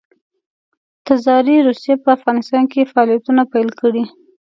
تزاري روسیې په افغانستان کې فعالیتونه پیل کړي.